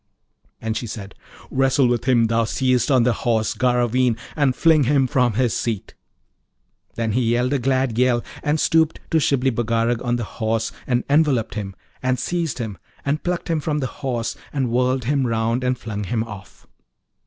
And she said, 'Wrestle with him thou seest on the Horse Garraveen, and fling him from his seat.' Then he yelled a glad yell, and stooped to Shibli Bagarag on the horse and enveloped him, and seized him, and plucked him from the Horse, and whirled him round, and flung him off.